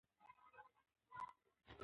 چینايي متل دئ: څوک چي کرار ځي؛ ليري ځي.